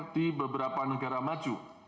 di beberapa negara maju